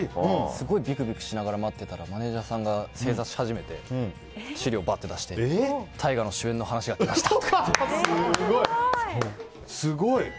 すごいびくびくしながら待ってたらマネジャーさんが正座し始めて資料をばっと出して大河の主演の話が来ました！